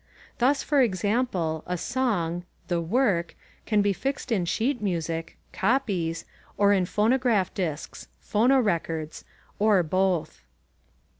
Thus, for example, a song (the "work") can be fixed in sheet music (" copies") or in phonograph disks (" phonorecords"), or both.